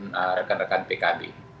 akan rekan rekan pkb